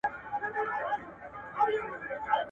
تبۍ را واخلی مخ را تورکړۍ .